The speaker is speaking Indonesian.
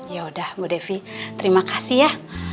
ya udah bu devi terima kasih ya